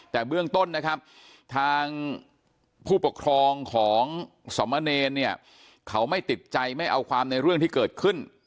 แต่เบื้องต้นนะครับทางผู้ปกครองของสมเนรเนี่ยเขาไม่ติดใจไม่เอาความในเรื่องที่เกิดขึ้น